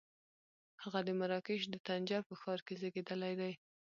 هغه د مراکش د طنجه په ښار کې زېږېدلی دی.